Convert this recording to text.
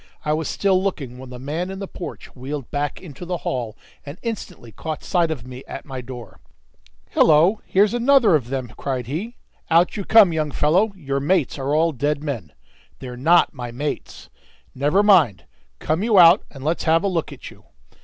I was still looking when the man in the porch wheeled back into the hall, and instantly caught sight of me at my door. "Hillo! here's another of them," cried he. "Out you come, young fellow! Your mates are all dead men." "They're not my mates." "Never mind; come you out and let's have a look at you."